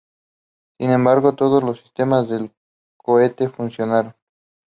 Sin embargo todos los sistemas del cohete funcionaron.